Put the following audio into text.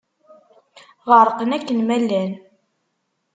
Ɣerqen akken ma llan.